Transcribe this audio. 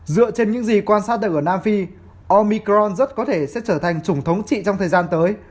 dựa trên những gì quan sát được ở nam phi omicron rất có thể sẽ trở thành chủng thống trị trong thời gian tới